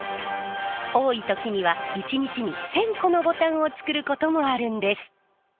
多い時には一日に１，０００個のボタンを作ることもあるんです。